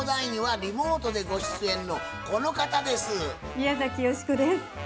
宮崎美子です。